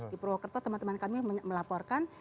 di prowalker talk teman teman kami melaporkan